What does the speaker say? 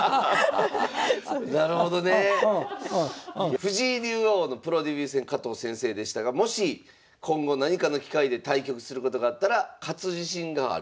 藤井竜王のプロデビュー戦加藤先生でしたがもし今後何かの機会で対局することがあったら勝つ自信がある。